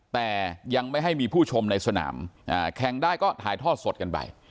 แต่ยังไม่ให้มีผู้ชมในสนามแข่งได้ก็ถ่ายทอดสดกันไป